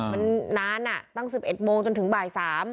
มันนานตั้ง๑๑โมงจนถึงบ่าย๓